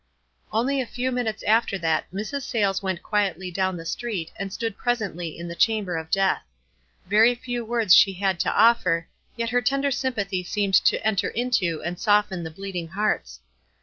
Only a few minutes after that Mrs. Sayles went quietly down the street and stood pres ently in the chamber of death. Very few words she had to offer, yet her tender sympathy seemed to enter into and soften the bleeding hearts.